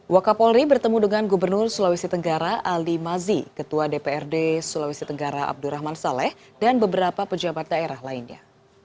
wakapolri bertemu dengan gubernur sulawesi tenggara ali mazi ketua dprd sulawesi tenggara abdurrahman saleh dan beberapa pejabat daerah lainnya